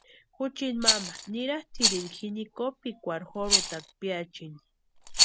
Juchiti mama niratʼirini jini kopikwarhu jorhutakwa piachiani.